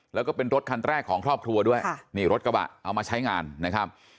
แล้วก็เป็นรถคันแรกของครอบครัวด้วยนี่รถกระบะเอามาใช้งานนะครับ